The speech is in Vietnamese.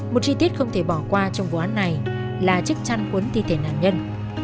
một chi tiết không thể bỏ qua trong vụ án này là chiếc chăn cuốn thi thể nạn nhân